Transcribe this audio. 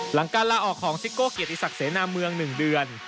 หลังการลาออกของซิโก้เกียรติศักดิเสนาเมือง๑เดือน